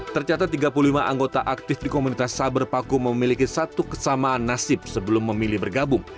tercatat tiga puluh lima anggota aktif di komunitas saber paku memiliki satu kesamaan nasib sebelum memilih bergabung